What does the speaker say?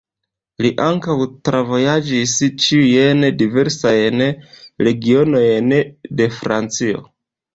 Li ankaŭ travojaĝis ĉiujn diversajn regionojn de Francio.